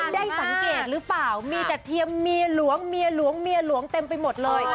ได้สังเกตหรือเปล่ามีแต่เทียมเมียหลวงเมียหลวงเมียหลวงเต็มไปหมดเลย